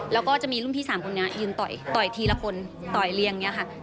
แล้วก็จะมีรุ่นพี่๓คนนี้ยืนต่อยทีละคนต่อยเรียงอย่างนี้ค่ะ